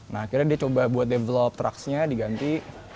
nah akhirnya dia coba buat develop trucksnya diganti